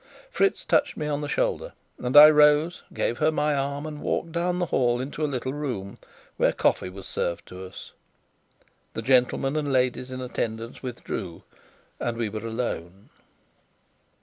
Fritz touched me on the shoulder, and I rose, gave her my arm, and walked down the hall into a little room, where coffee was served to us. The gentlemen and ladies in attendance withdrew, and we were alone.